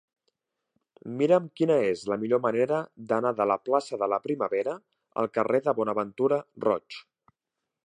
Mira'm quina és la millor manera d'anar de la plaça de la Primavera al carrer de Bonaventura Roig.